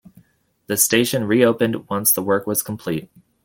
The station reopened once the work was complete.